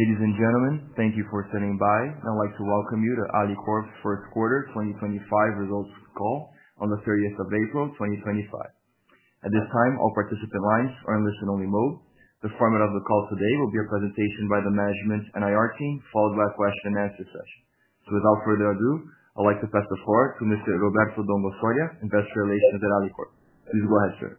Ladies and gentlemen, thank you for standing by. I'd like to welcome you to Alicorp's First Quarter 2025 Results call on the 30th of April, 2025. At this time, all participants are on listen-only mode. The format of the call today will be a presentation by the management and IR team, followed by a question-and-answer session. Without further ado, I'd like to pass the floor to Mr. Roberto Dongo-Soria, Investor Relations at Alicorp. Please go ahead, sir.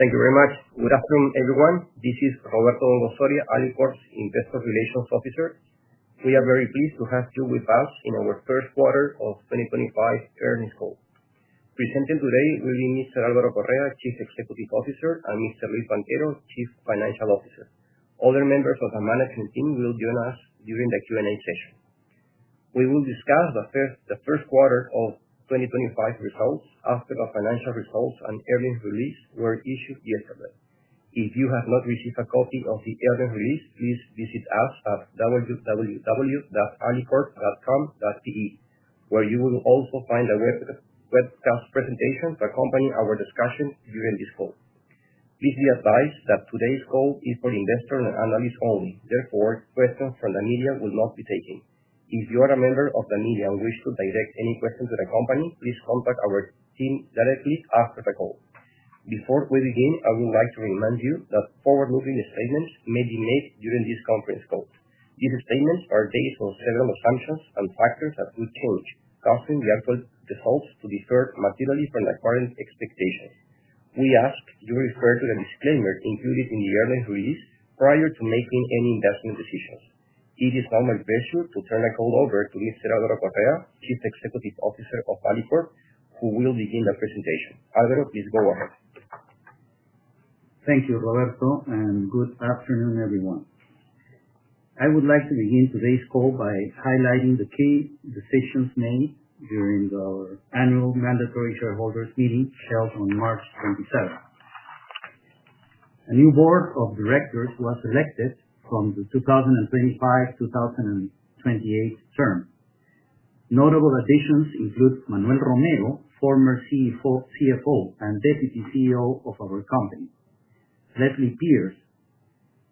Thank you very much. Good afternoon, everyone. This is Roberto Dongo-Soria, Alicorp's Investor Relations Officer. We are very pleased to have you with us in our First Quarter of 2025 Earnings Call. Presenting today will be Mr. Álvaro Correa, Chief Executive Officer, and Mr.Juan Moreyra, Chief Financial Officer. Other members of the management team will join us during the Q&A session. We will discuss the first quarter of 2025 results after the financial results and earnings release were issued yesterday. If you have not received a copy of the earnings release, please visit us at www.alicorp.com.pe, where you will also find the webcast presentations accompanying our discussion during this call. Please be advised that today's call is for investor and analyst only. Therefore, questions from the media will not be taken. If you are a member of the media and wish to direct any question to the company, please contact our team directly after the call. Before we begin, I would like to remind you that forward-moving statements may be made during this conference call. These statements are based on several assumptions and factors that could change, causing the actual results to differ materially from the current expectations. We ask you refer to the disclaimer included in the earnings release prior to making any investment decisions. It is now my pleasure to turn the call over to Mr. Álvaro Correa, Chief Executive Officer of Alicorp, who will begin the presentation. Álvaro, please go ahead. Thank you, Roberto, and good afternoon, everyone. I would like to begin today's call by highlighting the key decisions made during our annual mandatory shareholders' meeting held on March 27. A new board of directors was elected for the 2025-2028 term. Notable additions include Manuel Romero, former CFO and Deputy CEO of our company; Alfredo Pérez,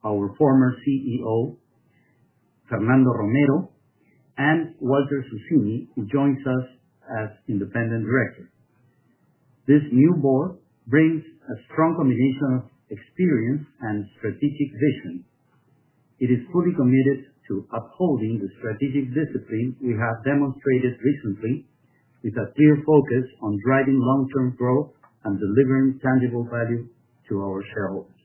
our former CEO; Fernando Romero; and Walter Susini, who joins us as Independent Director. This new board brings a strong combination of experience and strategic vision. It is fully committed to upholding the strategic discipline we have demonstrated recently, with a clear focus on driving long-term growth and delivering tangible value to our shareholders.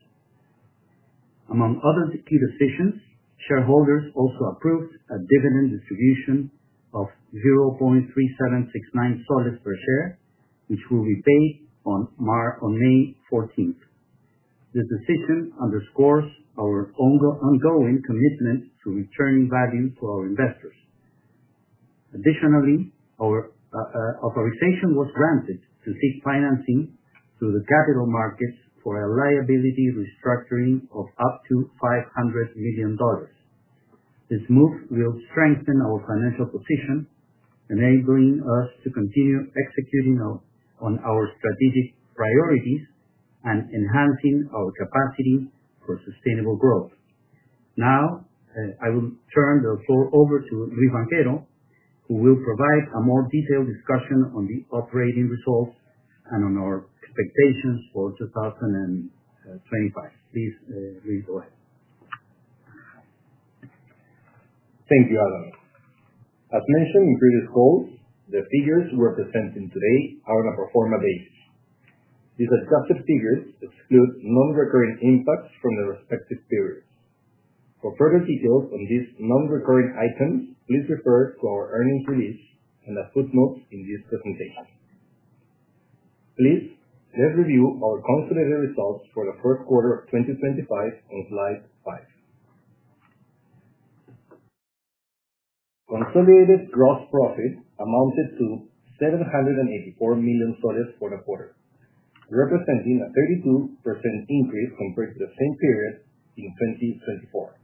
Among other key decisions, shareholders also approved a dividend distribution of PEN 0.3769 per share, which will be paid on May 14. This decision underscores our ongoing commitment to returning value to our investors. Additionally, our authorization was granted to seek financing through the capital markets for a liability restructuring of up to $500 million. This move will strengthen our financial position, enabling us to continue executing on our strategic priorities and enhancing our capacity for sustainable growth. Now, I will turn the floor over to Juan Moreyra, who will provide a more detailed discussion on the operating results and on our expectations for 2025. Please, Juan go ahead. Thank you, Álvaro. As mentioned in previous calls, the figures we're presenting today are on a pro forma basis. These adjusted figures exclude non-recurring impacts from the respective periods. For further details on these non-recurring items, please refer to our earnings release and the footnotes in this presentation. Please let's review our consolidated results for the first quarter of 2025 on slide 5. Consolidated gross profit amounted to PEN 784 million for the quarter, representing a 32% increase compared to the same period in 2024.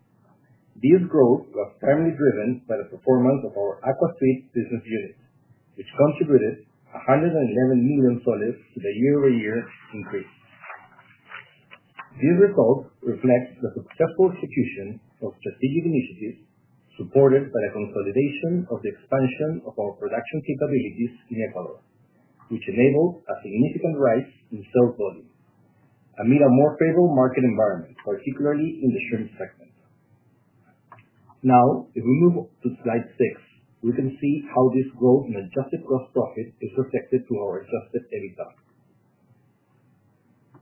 This growth was primarily driven by the performance of our Aquafeed business units, which contributed PEN 111 million to the year-over-year increase. These results reflect the successful execution of strategic initiatives supported by the consolidation of the expansion of our production capabilities in Ecuador, which enabled a significant rise in sales volume, amid a more favorable market environment, particularly in the shrimp segment. Now, if we move to slide 6, we can see how this growth in adjusted gross profit is reflected through our adjusted EBITDA.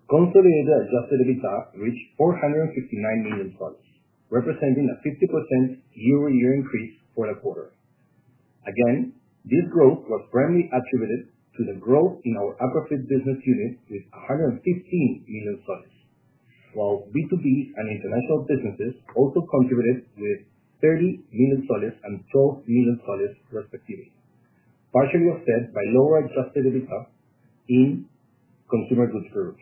Consolidated adjusted EBITDA reached PEN 459 million, representing a 50% year-over-year increase for the quarter. Again, this growth was primarily attributed to the growth in our Aquafeed business unit with PEN 115 million, while B2B and international businesses also contributed with PEN 30 million and PEN 12 million, respectively, partially offset by lower adjusted EBITDA in consumer goods Peru.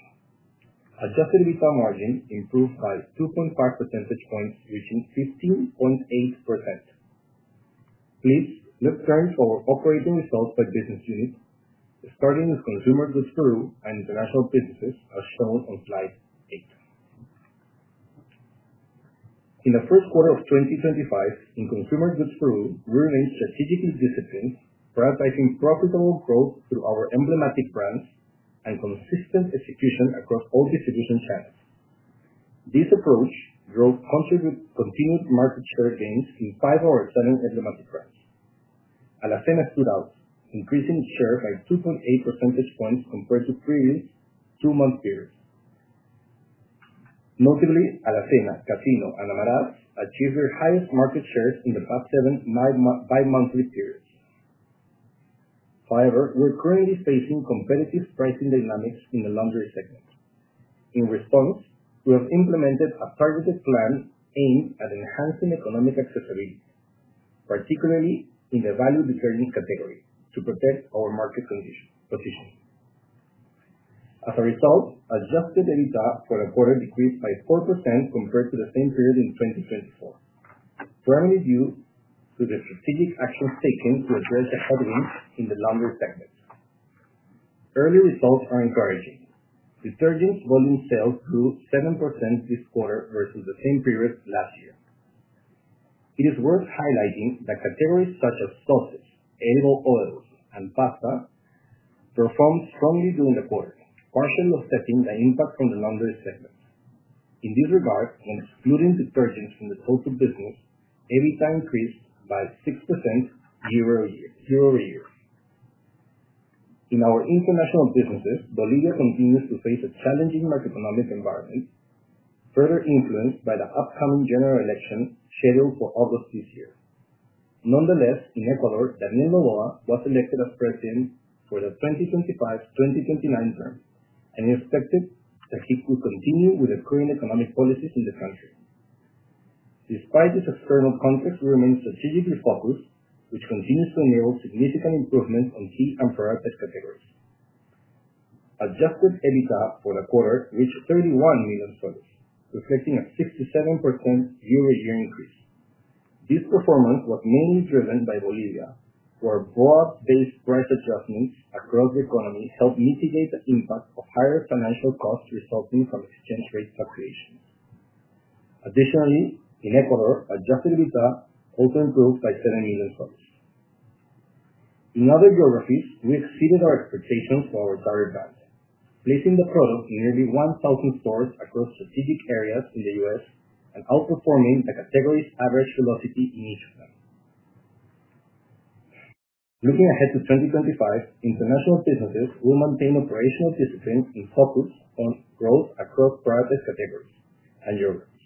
Adjusted EBITDA margin improved by 2.5 percentage points, reaching 15.8%. Please let's turn to our operating results by business unit, starting with consumer goods Peru and international businesses, as shown on slide 8. In the first quarter of 2025, in consumer goods Peru, we remained strategically disciplined, prioritizing profitable growth through our emblematic brands and consistent execution across all distribution channels. This approach drove continued market share gains in five of our seven emblematic brands. Alacena stood out, increasing its share by 2.8 percentage points compared to previous two-month periods. Notably, Alacena, Casino, and Amarás achieved their highest market shares in the past seven bi-monthly periods. However, we're currently facing competitive pricing dynamics in the luxury segment. In response, we have implemented a targeted plan aimed at enhancing economic accessibility, particularly in the value detergent category, to protect our market position. As a result, adjusted EBITDA for the quarter decreased by 4% compared to the same period in 2024, primarily due to the strategic actions taken to address the headwinds in the luxury segment. Early results are encouraging. Detergent volume sales grew 7% this quarter versus the same period last year. It is worth highlighting that categories such as sauces, edible oils, and pasta performed strongly during the quarter, partially offsetting the impact from the luxury segment. In this regard, when excluding detergents from the total business, EBITDA increased by 6% year-over-year. In our international businesses, Bolivia continues to face a challenging macroeconomic environment, further influenced by the upcoming general election scheduled for August this year. Nonetheless, in Ecuador, Daniel Noboa was elected as president for the 2025-2029 term and expected that he could continue with the current economic policies in the country. Despite this external context, we remained strategically focused, which continues to enable significant improvements on key and prioritized categories. Adjusted EBITDA for the quarter reached S/ 31 million, reflecting a 67% year-over-year increase. This performance was mainly driven by Bolivia, where broad-based price adjustments across the economy helped mitigate the impact of higher financial costs resulting from exchange rate fluctuations. Additionally, in Ecuador, adjusted EBITDA also improved by S/ 7 million. In other geographies, we exceeded our expectations for our Tari brand, placing the product in nearly 1,000 stores across strategic areas in the U.S. and outperforming the category's average velocity in each of them. Looking ahead to 2025, international businesses will maintain operational discipline and focus on growth across prioritized categories and geographies.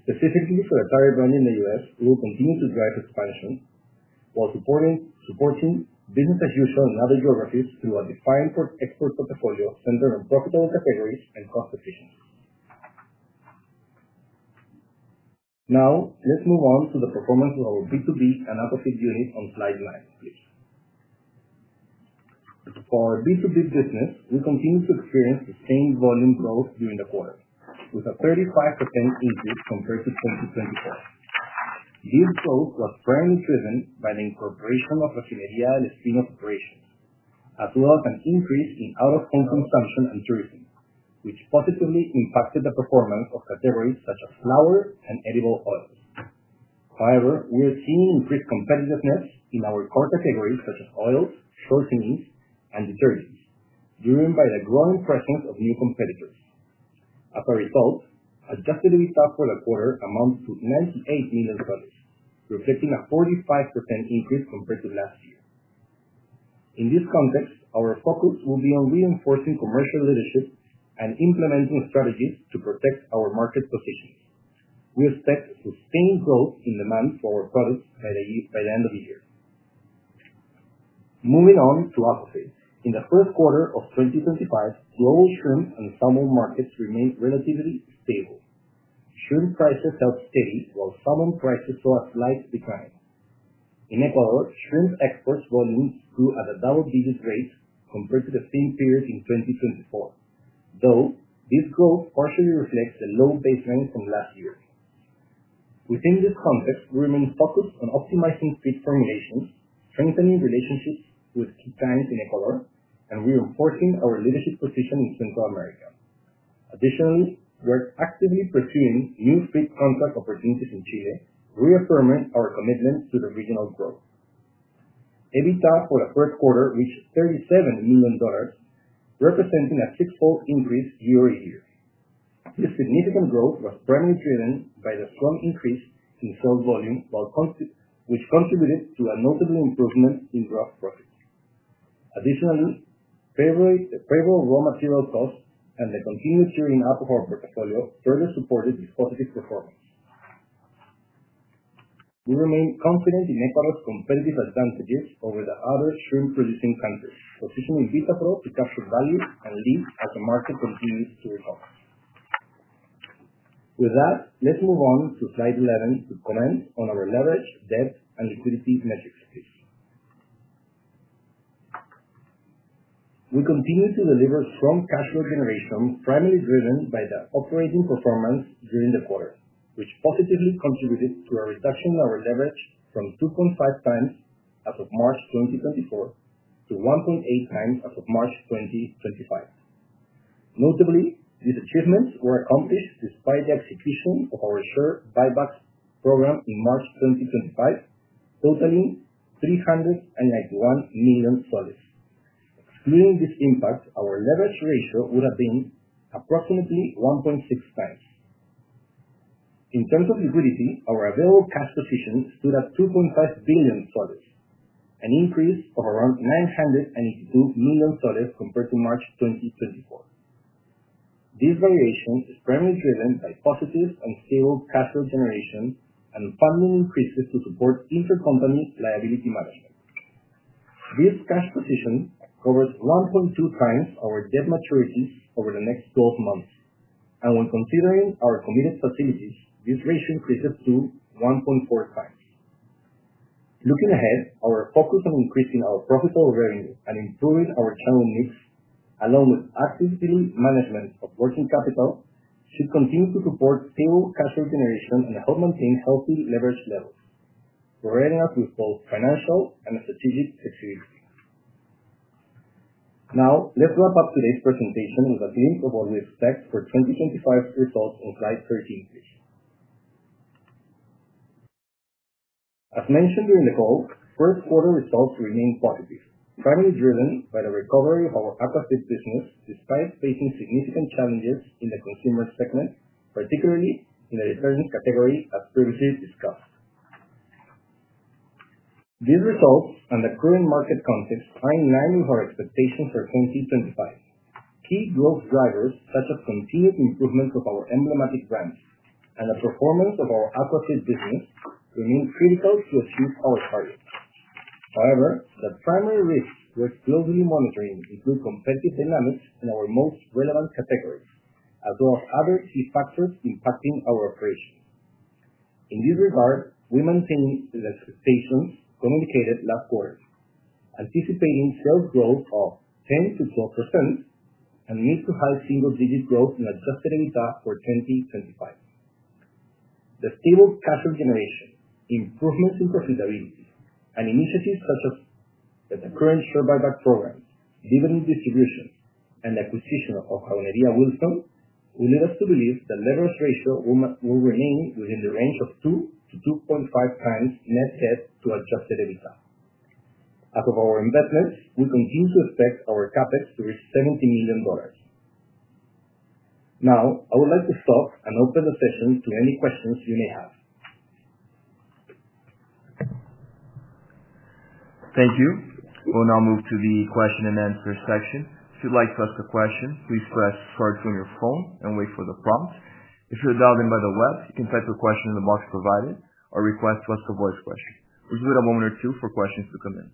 Specifically, for the Tari brand in the U.S., we will continue to drive expansion while supporting business as usual in other geographies through a defined export portfolio centered on profitable categories and cost efficiency. Now, let's move on to the performance of our B2B and aqua suite unit on slide 9, please. For our B2B business, we continued to experience the same volume growth during the quarter, with a 35% increase compared to 2024. This growth was primarily driven by the incorporation of Rafinería des Espino's operations, as well as an increase in out-of-home consumption and tourism, which positively impacted the performance of categories such as flour and edible oils. However, we are seeing increased competitiveness in our core categories such as oils, sauces, and detergents, driven by the growing presence of new competitors. As a result, adjusted EBITDA for the quarter amounted to S/ 98 million, reflecting a 45% increase compared to last year. In this context, our focus will be on reinforcing commercial leadership and implementing strategies to protect our market positions. We expect sustained growth in demand for our products by the end of the year. Moving on to aqua suites, in the first quarter of 2025, global shrimp and salmon markets remained relatively stable. Shrimp prices held steady while salmon prices saw a slight decline. In Ecuador, shrimp export volumes grew at a double-digit rate compared to the same period in 2024, though this growth partially reflects the low baseline from last year. Within this context, we remain focused on optimizing feed formulations, strengthening relationships with key clients in Ecuador, and reinforcing our leadership position in Central America. Additionally, we're actively pursuing new feed contract opportunities in Chile, reaffirming our commitment to the regional growth. EBITDA for the first quarter reached $37 million, representing a six-fold increase year-over-year. This significant growth was primarily driven by the strong increase in sales volume, which contributed to a notable improvement in gross profit. Additionally, favorable raw material costs and the continued share in aqua portfolio further supported this positive performance. We remain confident in Ecuador's competitive advantages over the other shrimp-producing countries, positioning Vitapro to capture value and lead as the market continues to recover. With that, let's move on to slide 11 to comment on our leverage, debt, and liquidity metrics, please. We continue to deliver strong cash flow generation, primarily driven by the operating performance during the quarter, which positively contributed to a reduction in our leverage from 2.5 times as of March 2024 to 1.8 times as of March 2025. Notably, these achievements were accomplished despite the execution of our share buyback program in March 2025, totaling PEN 391 million. Excluding this impact, our leverage ratio would have been approximately 1.6 times. In terms of liquidity, our available cash position stood at PEN 2.5 billion, an increase of around PEN 982 million compared to March 2024. This variation is primarily driven by positive and stable cash flow generation and funding increases to support intercompany liability management. This cash position covers 1.2 times our debt maturities over the next 12 months, and when considering our committed facilities, this ratio increases to 1.4 times. Looking ahead, our focus on increasing our profitable revenue and improving our channel mix, along with actively managing working capital, should continue to support stable cash flow generation and help maintain healthy leverage levels, providing us with both financial and strategic flexibility. Now, let's wrap up today's presentation with a glimpse of what we expect for 2025 results on slide 13, please. As mentioned during the call, first-quarter results remain positive, primarily driven by the recovery of our aqua suite business despite facing significant challenges in the consumer segment, particularly in the detergent category, as previously discussed. These results and the current market context are in line with our expectations for 2025. Key growth drivers, such as continued improvements of our emblematic brands and the performance of our aqua suite business, remain critical to achieve our target. However, the primary risks we're closely monitoring include competitive dynamics in our most relevant categories, as well as other key factors impacting our operations. In this regard, we maintain the expectations communicated last quarter, anticipating sales growth of 10%-12% and mid to high single-digit growth in adjusted EBITDA for 2025. The stable cash flow generation, improvements in profitability, and initiatives such as the current share buyback program, dividend distribution, and the acquisition of Refinería del Espino will lead us to believe the leverage ratio will remain within the range of 2-2.5 times net debt to adjusted EBITDA. As of our investments, we continue to expect our CapEx to reach $70 million. Now, I would like to stop and open the session to any questions you may have. Thank you. We'll now move to the question and answer section. If you'd like to ask a question, please press star from your phone and wait for the prompt. If you're dialed in by the web, you can type your question in the box provided or request to ask a voice question. We'll give it a moment or two for questions to come in.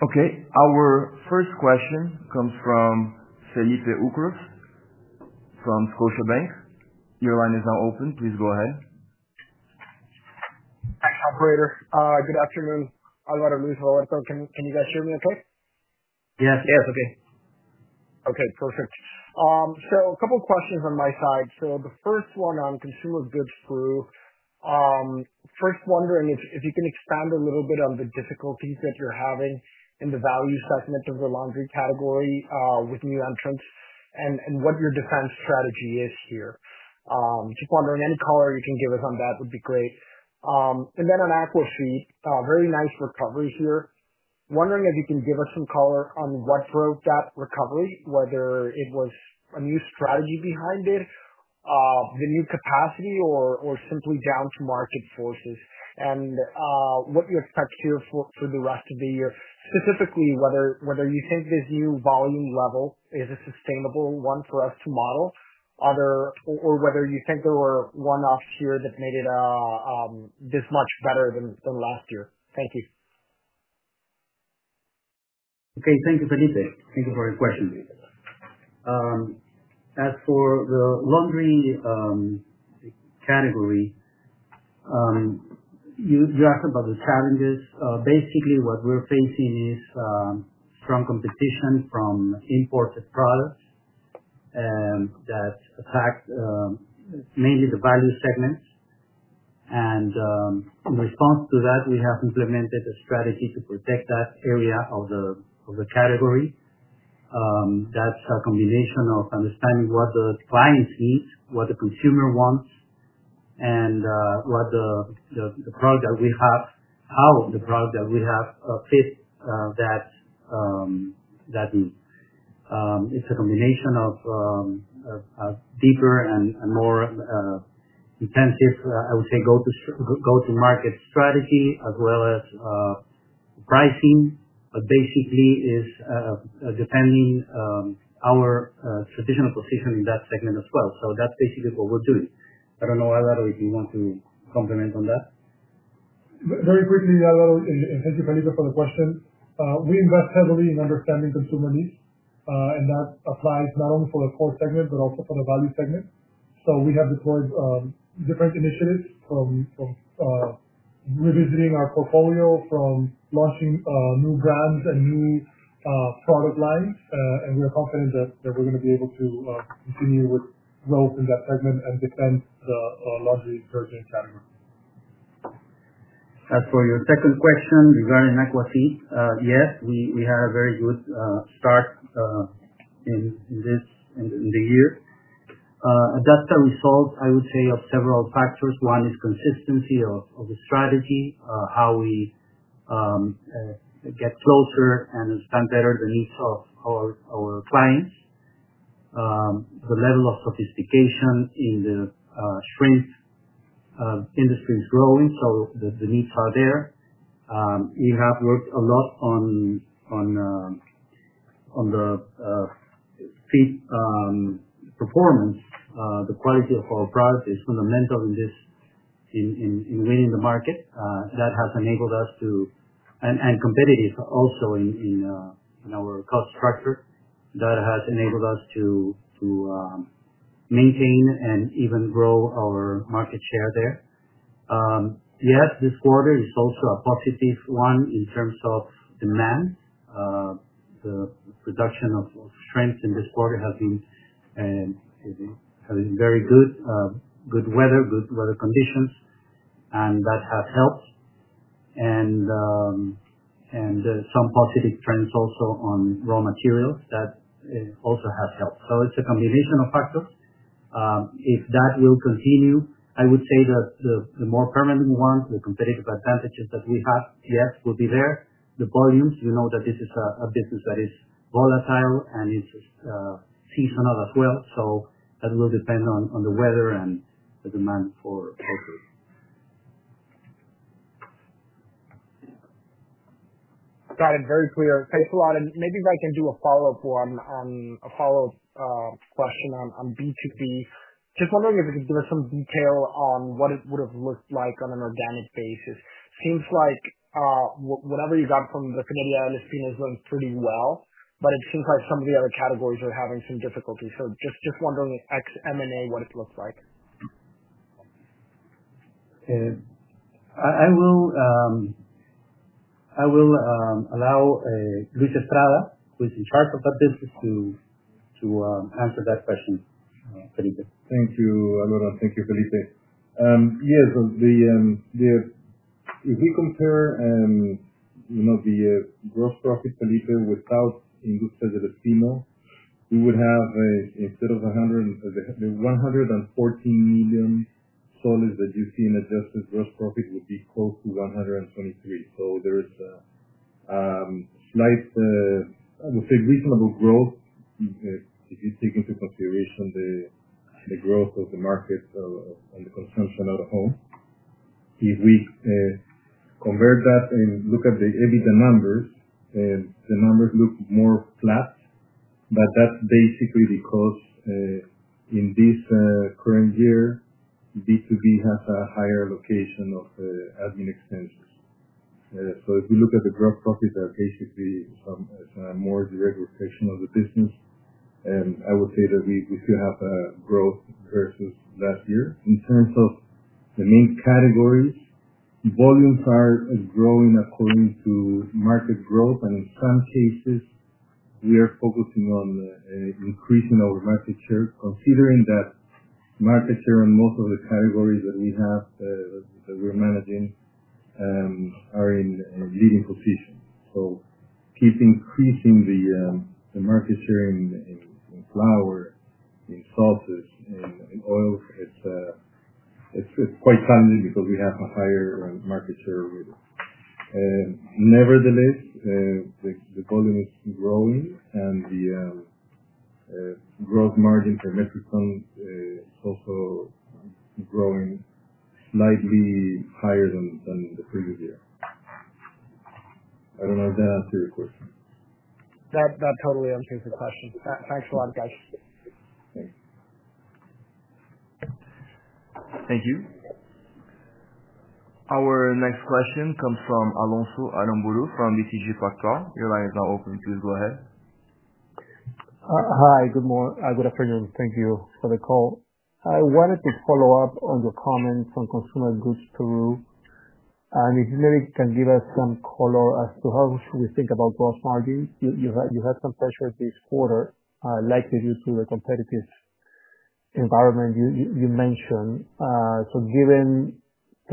Okay. Our first question comes from Felipe Ucros from Scotiabank. Your line is now open. Please go ahead. Thanks, operator. Good afternoon. Alvaro, Roberto. Can you guys hear me okay? Yes. Yes. Okay. Perfect. A couple of questions on my side. The first one on consumer goods, first wondering if you can expand a little bit on the difficulties that you're having in the value segment of the laundry category with new entrants and what your defense strategy is here. Just wondering any color you can give us on that would be great. Then on aqua suite, very nice recovery here. Wondering if you can give us some color on what drove that recovery, whether it was a new strategy behind it, the new capacity, or simply down-to-market forces, and what you expect here for the rest of the year, specifically whether you think this new volume level is a sustainable one for us to model, or whether you think there were one-offs here that made it this much better than last year. Thank you. Okay. Thank you, Felipe. Thank you for your question. As for the laundry category, you asked about the challenges. Basically, what we're facing is strong competition from imported products that attack mainly the value segments. In response to that, we have implemented a strategy to protect that area of the category. That's a combination of understanding what the clients need, what the consumer wants, and what the product that we have, how the product that we have fits that need. It's a combination of deeper and more intensive, I would say, go-to-market strategy as well as pricing, but basically is defending our traditional position in that segment as well. That's basically what we're doing. I don't know, Álvaro, if you want to complement on that. Very quickly, Álvaro, and thank you, Felipe, for the question. We invest heavily in understanding consumer needs, and that applies not only for the core segment but also for the value segment. We have deployed different initiatives from revisiting our portfolio, from launching new brands and new product lines, and we're confident that we're going to be able to continue with growth in that segment and defend the laundry detergent category. As for your second question regarding aqua suite, yes, we had a very good start in the year. That's a result, I would say, of several factors. One is consistency of the strategy, how we get closer and understand better the needs of our clients, the level of sophistication in the shrimp industry is growing, so the needs are there. We have worked a lot on the feed performance. The quality of our product is fundamental in winning the market. That has enabled us to, and competitive also in our cost structure. That has enabled us to maintain and even grow our market share there. Yes, this quarter is also a positive one in terms of demand. The production of shrimps in this quarter has been very good, good weather, good weather conditions, and that has helped. Some positive trends also on raw materials that also have helped. It's a combination of factors. If that will continue, I would say that the more permanent ones, the competitive advantages that we have, yes, will be there. The volumes, we know that this is a business that is volatile and it's seasonal as well, so that will depend on the weather and the demand for it. Got it. Very clear. Thanks a lot. Maybe if I can do a follow-up question on B2B. Just wondering if you could give us some detail on what it would have looked like on an organic basis. Seems like whatever you got from Refineria del Espino has done pretty well, but it seems like some of the other categories are having some difficulty. Just wondering ex-M&A what it looks like. I will allow Juan Moreyra, who is in charge of that business, to answer that question, Felipe. Thank you, Alvaro. Thank you, Felipe. Yes. If we compare the gross profit, Felipe, without Refinería del Espino, we would have, instead of the S/ 114 million that you see in adjusted gross profit, would be close to S/ 123 million. There is a slight, I would say, reasonable growth if you take into consideration the growth of the market and the consumption at home. If we convert that and look at the EBITDA numbers, the numbers look more flat, but that's basically because in this current year, B2B has a higher allocation of admin expenses. If we look at the gross profit, that basically is a more direct reflection of the business, and I would say that we still have growth versus last year. In terms of the main categories, volumes are growing according to market growth, and in some cases, we are focusing on increasing our market share, considering that market share in most of the categories that we have, that we're managing, are in leading position. Keep increasing the market share in flour, in sauces, in oils. It's quite challenging because we have a higher market share with it. Nevertheless, the volume is growing, and the gross margin per metric ton is also growing slightly higher than the previous year. I don't know if that answered your question. That totally answers the question. Thanks a lot, guys. Thanks. Thank you. Our next question comes from Alejandro Aramburú from BTG. Your line is now open. Please go ahead. Hi. Good afternoon. Thank you for the call. I wanted to follow up on your comments on consumer goods Peru. If you maybe can give us some color as to how should we think about gross margins. You had some pressure this quarter, likely due to the competitive environment you mentioned. Given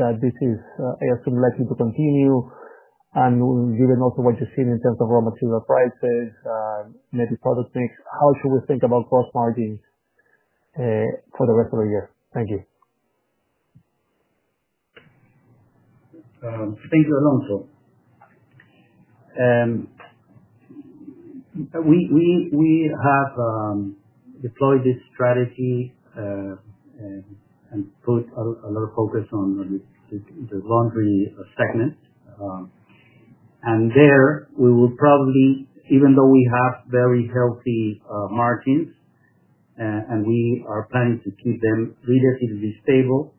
that this is, I assume, likely to continue, and given also what you've seen in terms of raw material prices, maybe product mix, how should we think about gross margins for the rest of the year? Thank you. Thank you, Alonso. We have deployed this strategy and put a lot of focus on the laundry segment. There, we will probably, even though we have very healthy margins, and we are planning to keep them relatively stable,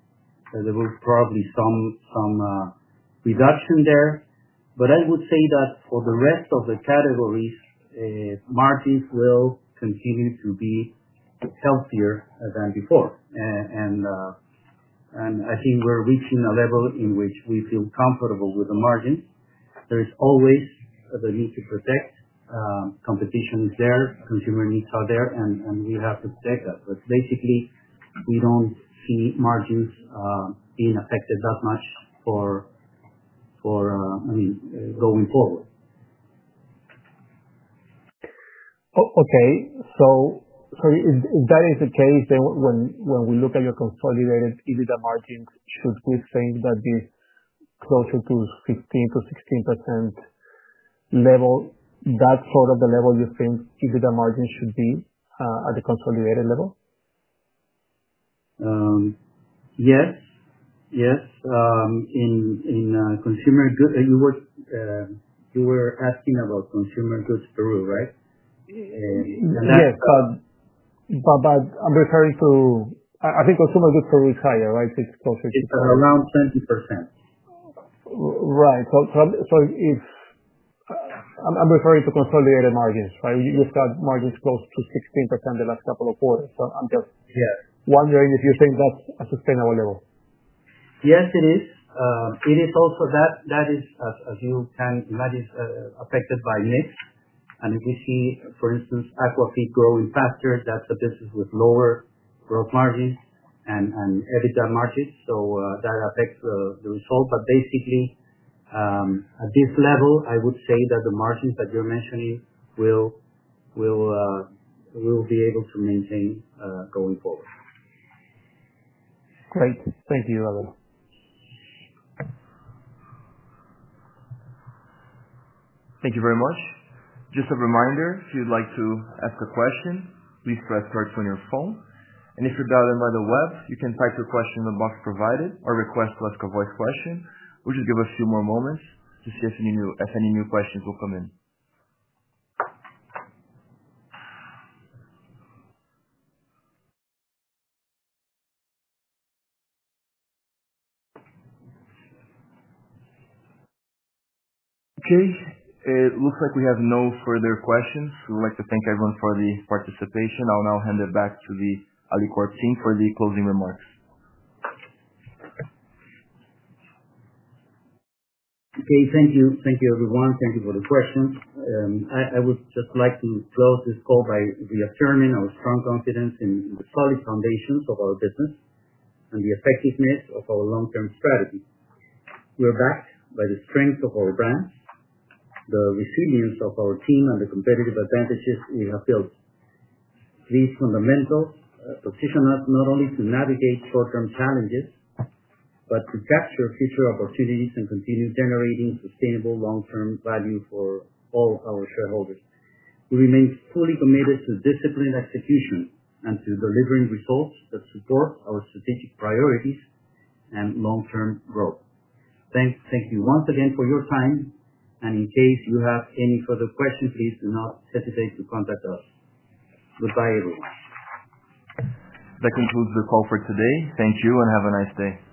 there will probably be some reduction there. I would say that for the rest of the categories, margins will continue to be healthier than before. I think we're reaching a level in which we feel comfortable with the margins. There is always the need to protect competition there. Consumer needs are there, and we have to protect that. Basically, we don't see margins being affected that much for, I mean, going forward. Okay. If that is the case, then when we look at your consolidated EBITDA margins, should we think that this closer to 15%-16% level, that's sort of the level you think EBITDA margins should be at the consolidated level? Yes. Yes. In consumer goods, you were asking about consumer goods Peru, right? Yes. I'm referring to, I think consumer goods Peru is higher, right? It's closer to. It's around 20%. Right. I'm referring to consolidated margins, right? You've got margins close to 16% the last couple of quarters. I'm just wondering if you think that's a sustainable level. Yes, it is. It is also that, as you can imagine, affected by mix. If we see, for instance, aquafeed growing faster, that's a business with lower gross margins and EBITDA margins. That affects the result. Basically, at this level, I would say that the margins that you're mentioning will be able to maintain going forward. Great. Thank you, Álvaro. Thank you very much. Just a reminder, if you'd like to ask a question, please press star on your phone. If you're dialed in by the web, you can type your question in the box provided or request to ask a voice question. We'll just give a few more moments to see if any new questions will come in. Okay. It looks like we have no further questions. We'd like to thank everyone for the participation. I'll now hand it back to the Alicorp team for the closing remarks. Okay. Thank you. Thank you, everyone. Thank you for the questions. I would just like to close this call by reaffirming our strong confidence in the solid foundations of our business and the effectiveness of our long-term strategy. We are backed by the strength of our brand, the resilience of our team, and the competitive advantages we have built. These fundamentals position us not only to navigate short-term challenges but to capture future opportunities and continue generating sustainable long-term value for all our shareholders. We remain fully committed to disciplined execution and to delivering results that support our strategic priorities and long-term growth. Thank you once again for your time. In case you have any further questions, please do not hesitate to contact us. Goodbye, everyone. That concludes the call for today. Thank you and have a nice day.